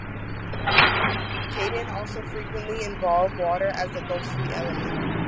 Kaidan also frequently involve water as a ghostly element.